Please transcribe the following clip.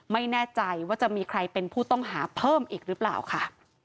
ไม่แน่ใจว่าจะมีใครเป็นผู้ต้องหาเพิ่มอีกหรือเปล่าค่ะ